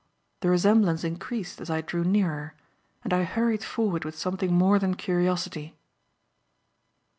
The resemblance increased as I drew nearer, and I hurried forward with something more than curiosity.